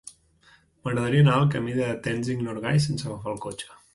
M'agradaria anar al camí de Tenzing Norgay sense agafar el cotxe.